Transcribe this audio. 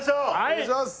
お願いします！